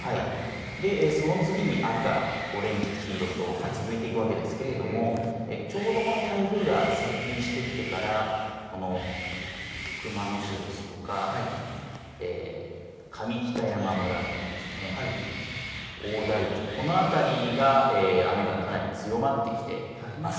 その次に赤、オレンジ、黄色と続いていくわけですけれどもちょうどこの台風が接近してきてからこの熊野市ですとか上北山村とかですね大台町、この辺りが雨がかなり強まってきています。